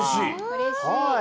うれしい！